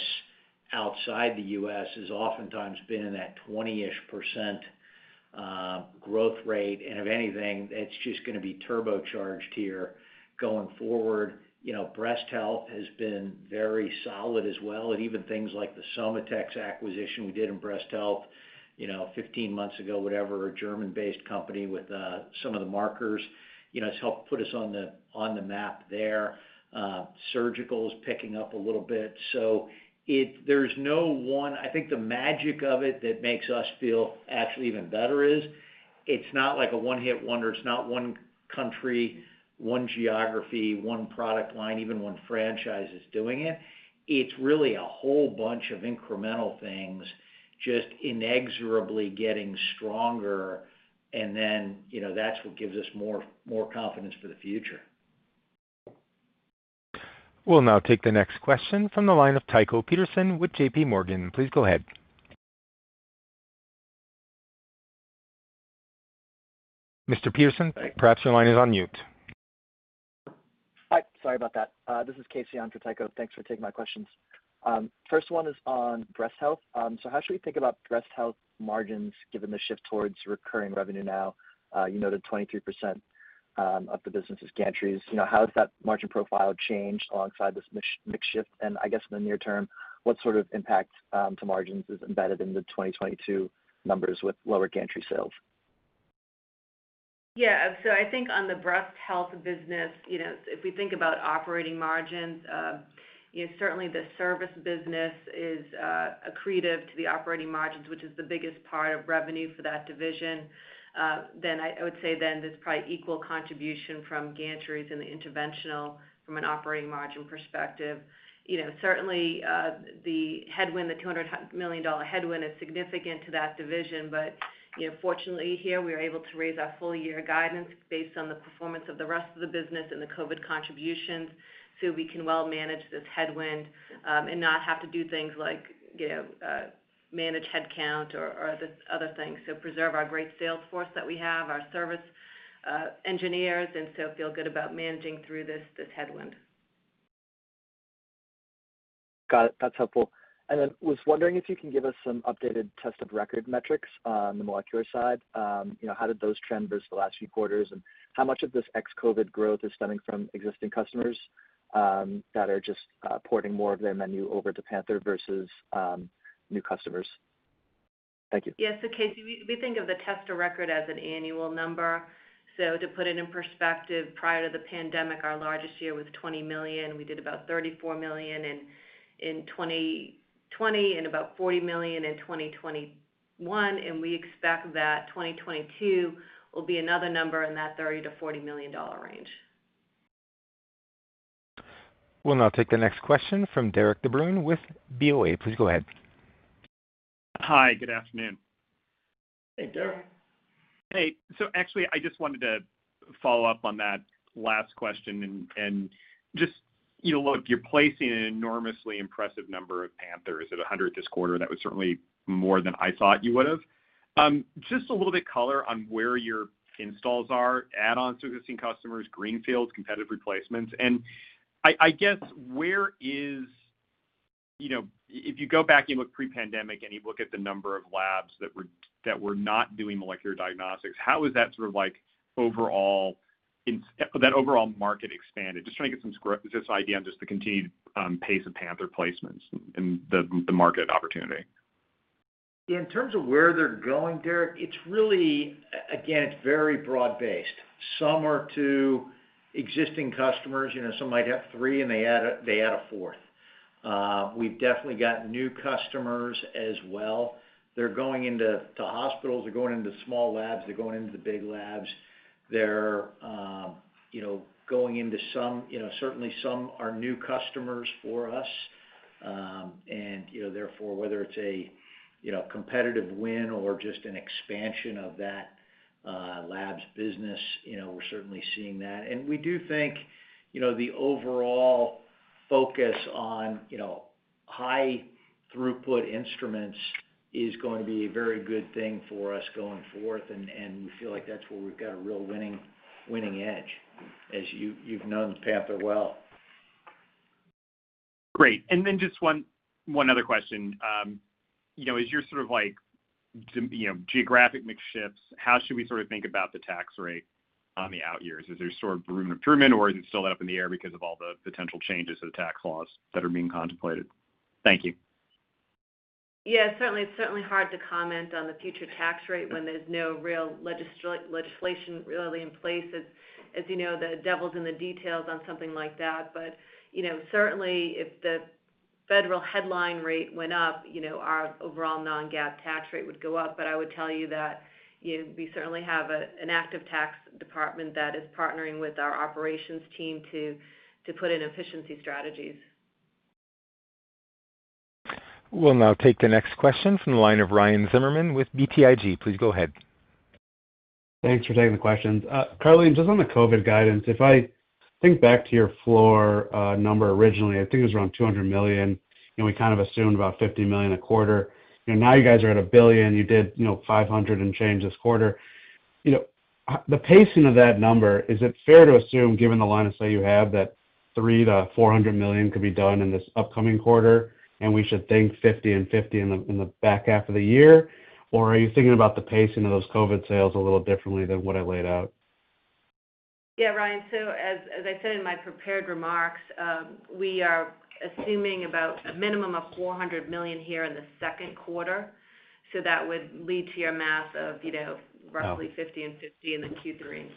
outside the U.S. has oftentimes been in that 20-ish% growth rate. If anything, it's just gonna be turbocharged here going forward. You know, breast health has been very solid as well. Even things like the Somatex acquisition we did in breast health, you know, 15 months ago, whatever, a German-based company with some of the markers, you know, it's helped put us on the map there. Surgical is picking up a little bit. So there's no one... I think the magic of it that makes us feel actually even better is, it's not like a one-hit wonder. It's not one country, one geography, one product line, even one franchise is doing it. It's really a whole bunch of incremental things just inexorably getting stronger and then, you know, that's what gives us more confidence for the future. We'll now take the next question from the line of Tycho Peterson with J.P. Morgan. Please go ahead. Mr. Peterson, perhaps your line is on mute. Hi. Sorry about that. This is Casey on for Tycho Peterson. Thanks for taking my questions. First one is on breast health. So how should we think about breast health margins given the shift towards recurring revenue now? You noted 23% of the business is gantries. You know, how does that margin profile change alongside this mix shift? I guess in the near term, what sort of impact to margins is embedded in the 2022 numbers with lower gantry sales? Yeah. I think on the Breast Health business, you know, if we think about operating margins, certainly the service business is accretive to the operating margins, which is the biggest part of revenue for that division. Then I would say there's probably equal contribution from gantries and the interventional from an operating margin perspective. You know, certainly the headwind, the $200 million headwind is significant to that division. Fortunately here, we are able to raise our full year guidance based on the performance of the rest of the business and the COVID contributions, so we can well manage this headwind and not have to do things like, you know, manage headcount or other things. Preserve our great sales force that we have, our service engineers, and so feel good about managing through this headwind. Got it. That's helpful. I was wondering if you can give us some updated test of record metrics on the molecular side. You know, how did those trend versus the last few quarters, and how much of this ex-COVID growth is stemming from existing customers that are just porting more of their menu over to Panther versus new customers? Thank you. Yes. Casey, we think of the test of record as an annual number. To put it in perspective, prior to the pandemic, our largest year was $20 million. We did about $34 million in 2020 and about $40 million in 2021, and we expect that 2022 will be another number in that $30 million-$40 million range. We'll now take the next question from Derik de Bruin with BOA. Please go ahead. Hi, good afternoon. Hey, Derik. Hey. Actually, I just wanted to follow up on that last question and just, you know, look, you're placing an enormously impressive number of Panthers at 100 this quarter. That was certainly more than I thought you would have. Just a little bit of color on where your installs are, add-ons to existing customers, greenfields, competitive replacements. I guess where is. You know, if you go back and look pre-pandemic, and you look at the number of labs that were not doing molecular diagnostics, how is that sort of like overall installs that overall market expanded? Just trying to get some sense of the continued pace of Panther placements and the market opportunity. In terms of where they're going, Derik, it's really, again, it's very broad-based. Some are to existing customers, you know, some might have three, and they add a fourth. We've definitely got new customers as well. They're going into hospitals. They're going into small labs. They're going into the big labs. You know, going into some, you know, certainly some are new customers for us. And you know, therefore, whether it's competitive win or just an expansion of that lab's business, you know, we're certainly seeing that. We do think, you know, the overall focus on, you know, high throughput instruments is going to be a very good thing for us going forth, and we feel like that's where we've got a real winning edge, as you've known Panther well. Great. Just one other question. You know, as you're sort of like, you know, geographic mix shifts, how should we sort of think about the tax rate on the out years? Is there sort of room for improvement or is it still up in the air because of all the potential changes to the tax laws that are being contemplated? Thank you. Yeah, certainly, it's certainly hard to comment on the future tax rate when there's no real legislation really in place. As you know, the devil's in the details on something like that. You know, certainly if the federal headline rate went up, you know, our overall Non-GAAP tax rate would go up. I would tell you that, you know, we certainly have an active tax department that is partnering with our operations team to put in efficiency strategies. We'll now take the next question from the line of Ryan Zimmerman with BTIG. Please go ahead. Thanks for taking the questions. Carleen, just on the COVID guidance, if I think back to your floor number originally, I think it was around $200 million, and we kind of assumed about $50 million a quarter. You know, now you guys are at $1 billion. You did, you know, $500 and change this quarter. You know, the pacing of that number, is it fair to assume, given the line of sight you have, that $300 million-$400 million could be done in this upcoming quarter, and we should think $50 million and $50 million in the back half of the year? Or are you thinking about the pacing of those COVID sales a little differently than what I laid out? Yeah, Ryan. As I said in my prepared remarks, we are assuming about a minimum of $400 million here in the second quarter. That would lead to your math of, you know, roughly $50 million and $50 million in the Q3 and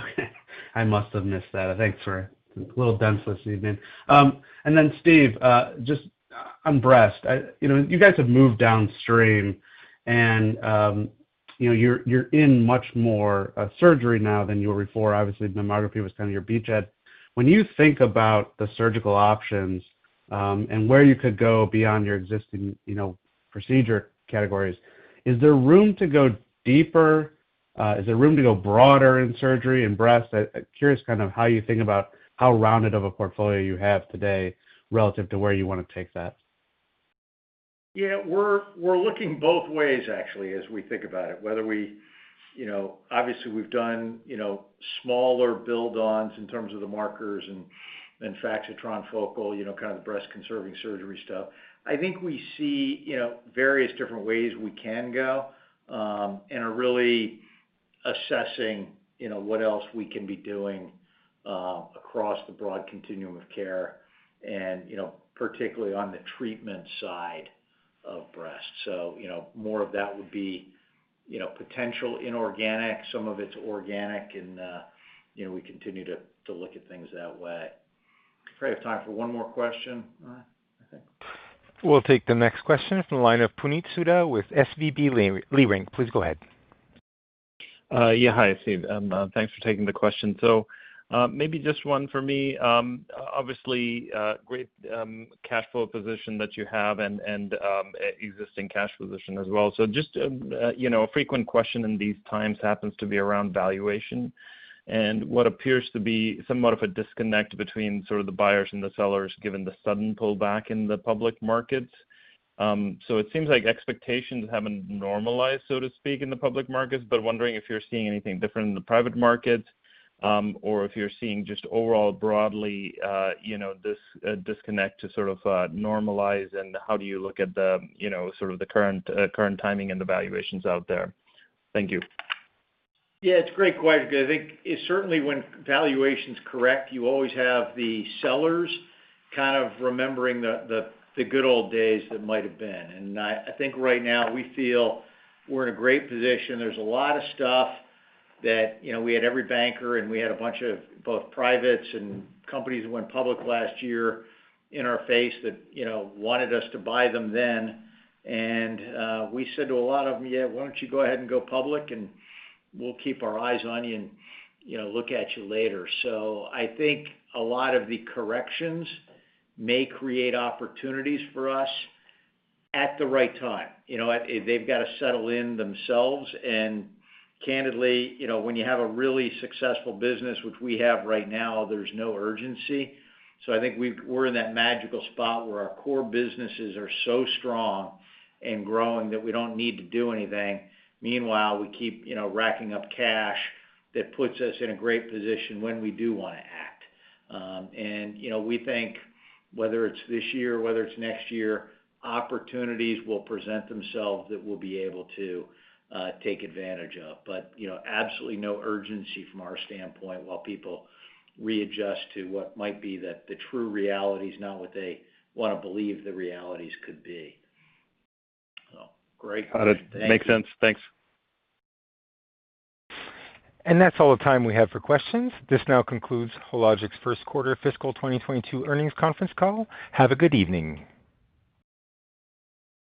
Q4. Okay. I must have missed that. Thanks for it. A little dense this evening. Steve, just on breast, you know, you guys have moved downstream and, you know, you're in much more surgery now than you were before. Obviously, mammography was kind of your beachhead. When you think about the surgical options and where you could go beyond your existing, you know, procedure categories, is there room to go deeper? Is there room to go broader in surgery and breast? I'm curious kind of how you think about how rounded of a portfolio you have today relative to where you wanna take that. Yeah. We're looking both ways actually, as we think about it, whether we. You know, obviously we've done you know, smaller bolt-ons in terms of the markers and Faxitron you know, kind of the breast conserving surgery stuff. I think we see you know, various different ways we can go and are really assessing you know, what else we can be doing across the broad continuum of care and you know, particularly on the treatment side of breast. You know, more of that would be you know, potential inorganic. Some of it's organic and you know, we continue to look at things that way. We probably have time for one more question, Ron, I think. We'll take the next question from the line of Puneet Souda with SVB Leerink. Please go ahead. Yeah. Hi, Steve. Thanks for taking the question. Maybe just one for me. Obviously, great cash flow position that you have and existing cash position as well. Just you know, a frequent question in these times happens to be around valuation and what appears to be somewhat of a disconnect between sort of the buyers and the sellers, given the sudden pullback in the public markets. It seems like expectations haven't normalized, so to speak, in the public markets, but wondering if you're seeing anything different in the private markets, or if you're seeing just overall broadly, you know, this disconnect to sort of normalize and how do you look at the, you know, sort of the current current timing and the valuations out there. Thank you. Yeah, it’s a great question. I think certainly when valuation’s correct, you always have the sellers kind of remembering the good old days that might’ve been. I think right now we feel we’re in a great position. There’s a lot of stuff that you know, we had every banker and we had a bunch of both privates and companies that went public last year in our face that, you know, wanted us to buy them then. We said to a lot of them, “Yeah, why don’t you go ahead and go public, and we’ll keep our eyes on you and, you know, look at you later.” I think a lot of the corrections may create opportunities for us at the right time. You know, they’ve got to settle in themselves. Candidly, you know, when you have a really successful business, which we have right now, there's no urgency. I think we're in that magical spot where our core businesses are so strong and growing that we don't need to do anything. Meanwhile, we keep, you know, racking up cash that puts us in a great position when we do wanna act. You know, we think whether it's this year or whether it's next year, opportunities will present themselves that we'll be able to take advantage of. You know, absolutely no urgency from our standpoint while people readjust to what might be the true realities, not what they want to believe the realities could be. Great. Got it. Thank you. Makes sense. Thanks. That's all the time we have for questions. This now concludes Hologic's first quarter fiscal 2022 earnings conference call. Have a good evening.